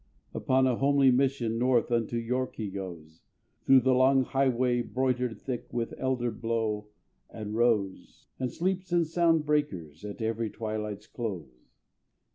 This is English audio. Upon a homely mission North unto York he goes, Through the long highway broidered thick With elder blow and rose; And sleeps in sound of breakers At every twilight's close.